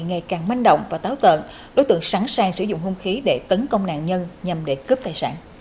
ngày càng manh động và táo tợn đối tượng sẵn sàng sử dụng hung khí để tấn công nạn nhân nhằm để cướp tài sản